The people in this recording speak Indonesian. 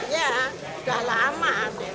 ya sudah lama